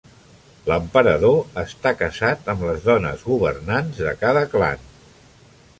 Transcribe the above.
L'Emperador està casat amb les dones governants de cada clan.